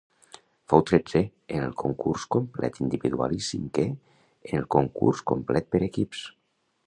Fou tretzè en el concurs complet individual i cinquè en el concurs complet per equips.